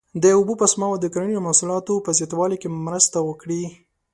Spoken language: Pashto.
د اوبو په سپما او د کرنیزو محصولاتو په زیاتوالي کې مرسته وکړي.